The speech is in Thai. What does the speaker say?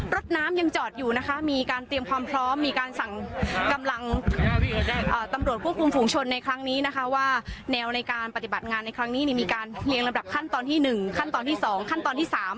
รถน้ำยังจอดอยู่นะคะมีการเตรียมความพร้อมมีการสั่งกำลังตำรวจควบคุมฝุงชนในครั้งนี้นะคะว่าแนวในการปฏิบัติงานในครั้งนี้มีการเรียงลำดับขั้นตอนที่๑ขั้นตอนที่๒ขั้นตอนที่๓